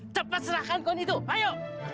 cepet serahkan koin itu ayo